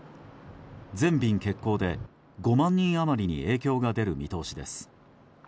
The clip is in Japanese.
全便欠航で５万人余りに影響が出る見通しです。